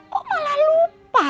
kok malah lupa